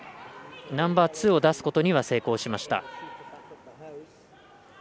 ナンバーツーを出すことには成功しました。